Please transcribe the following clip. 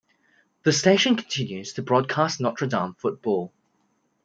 The station continues to broadcast Notre Dame football.